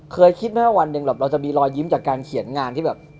เคยคิดไหมว่าวันหนึ่งแบบเราจะมีรอยยิ้มจากการเขียนงานที่แบบ